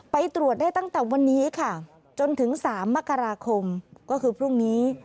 ไปตรวจได้ตั้งแต่วันนี้ค่ะจนถึง๓มกราคมก็คือพรุ่งนี้